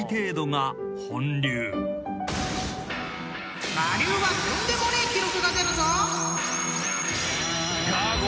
［我流はとんでもねえ記録が出るぞ！］